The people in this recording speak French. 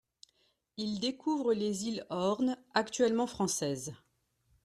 Ils découvrent les îles Horn, actuellement françaises.